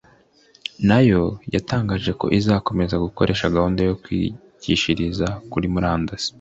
nayo yatangaje ko izakomeza gukoresha gahunda yo kwigishiriza kuri murandasi